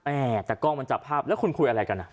แต่กล้องมันจับภาพแล้วคุณคุยอะไรกันอ่ะ